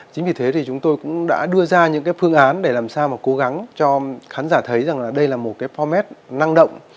chính vì thế thì chúng tôi cũng đã đưa ra những phương án để làm sao mà cố gắng cho khán giả thấy rằng đây là một format năng động